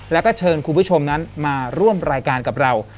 แล้วก็เชิญคุณผู้ชมนั้นมาร่วมรายการกับเรา